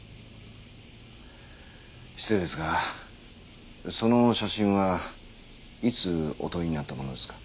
失礼ですがその写真はいつお撮りになったものですか？